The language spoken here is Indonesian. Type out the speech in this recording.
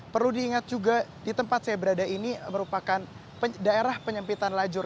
perlu diingat juga di tempat saya berada ini merupakan daerah penyempitan lajur